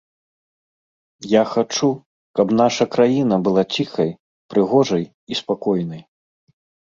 Я хачу, каб наша краіна была ціхай, прыгожай і спакойнай.